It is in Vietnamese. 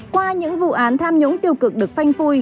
qua những vụ án tham nhũng tiêu cực được phanh phui